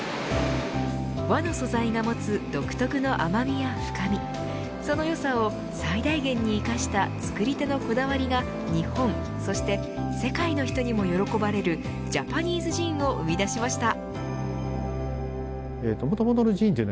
和の素材が持つ独特の甘みや深味そのよさを最大限に生かした作り手のこだわりが日本そして世界の人にも喜ばれるジャパニーズジンを生み出しました。